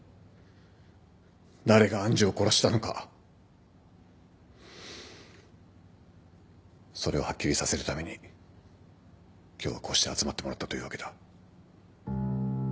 誰が愛珠を殺したのかそれをはっきりさせるために今日はこうして集まってもらったというわけだ。